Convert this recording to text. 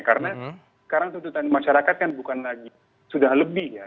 karena sekarang tuntutan masyarakat kan bukan lagi sudah lebih ya